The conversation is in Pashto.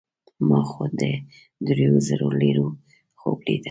ما خو د دریو زرو لیرو خوب لیده.